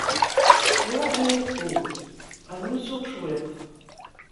Wa ayako, rnu suɣ cwiṭ.